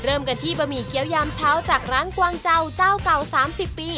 เริ่มกันที่บะหมี่เกี้ยวยามเช้าจากร้านกวางเจ้าเจ้าเก่า๓๐ปี